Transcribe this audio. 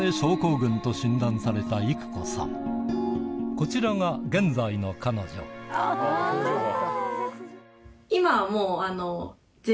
こちらが現在の彼女なのに。